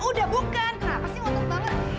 udah bukan kenapa sih ngontak ngotak